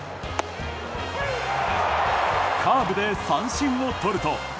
カーブで三振をとると。